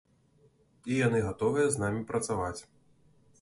І яны гатовыя з намі працаваць.